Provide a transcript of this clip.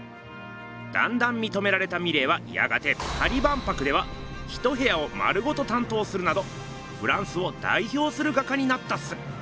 だんだんみとめられたミレーはやがてパリ万博では一部屋を丸ごと担当するなどフランスをだいひょうする画家になったっす。